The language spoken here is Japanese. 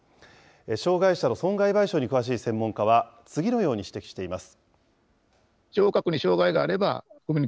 障害者の損害賠償に詳しい専門家は、次のように指摘しています。